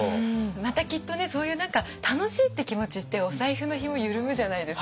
またきっとねそういう楽しいって気持ちってお財布のひも緩むじゃないですか。